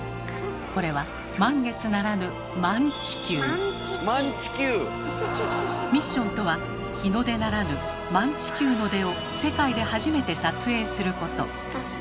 これは満月ならぬミッションとは日の出ならぬ「満地球の出」を世界で初めて撮影すること。